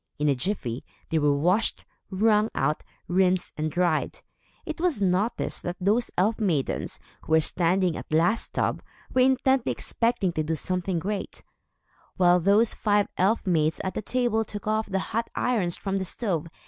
In a jiffy, they were washed, wrung out, rinsed and dried. It was noticed that those elf maidens, who were standing at the last tub, were intently expecting to do something great, while those five elf maids at the table took off the hot irons from the stove.